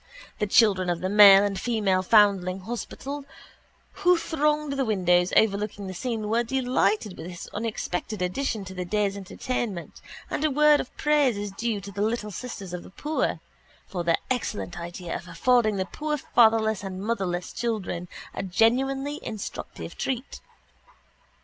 The children of the Male and Female Foundling Hospital who thronged the windows overlooking the scene were delighted with this unexpected addition to the day's entertainment and a word of praise is due to the Little Sisters of the Poor for their excellent idea of affording the poor fatherless and motherless children a genuinely instructive treat.